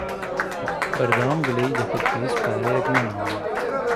بەردەوام گلەیی دەکرد کە هیچ پارەیەک نەماوە.